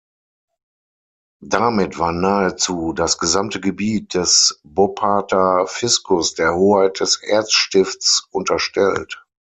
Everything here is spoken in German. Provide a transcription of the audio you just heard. Damit war nahezu das gesamte Gebiet des Bopparder Fiskus der Hoheit des Erzstifts unterstellt.